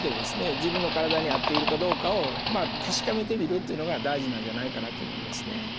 自分の体に合っているかどうかを確かめてみるっていうのが大事なんじゃないかなと思いますね。